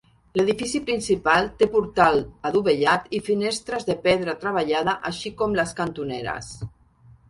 L'edifici principal té portal adovellat i finestres de pedra treballada així com les cantoneres.